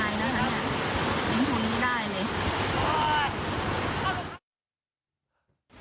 เป็นผู้นี้ได้เลย